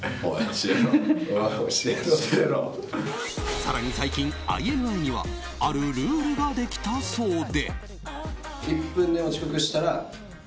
更に最近、ＩＮＩにはあるルールができたそうで。